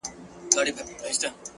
ښکلي همېش د سترګو پاس دا لړمان ساتي ،